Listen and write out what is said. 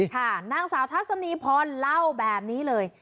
ค่ะนางสาวทัศนีพรเล่าแบบนี้เลย